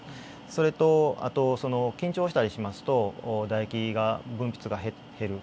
それとあとその緊張したりしますとだ液が分泌が減る。